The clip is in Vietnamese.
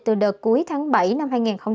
từ đợt cuối tháng bảy năm hai nghìn hai mươi